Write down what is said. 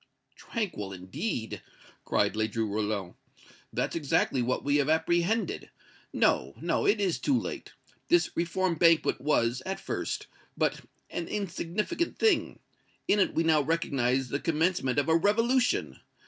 "Tranquil, indeed!" cried Ledru Rollin. "That's exactly what we have apprehended! No no it is too late! This Reform Banquet was, at first, but an insignificant thing. In it we now recognize the commencement of a revolution.